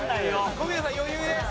小宮さん余裕です。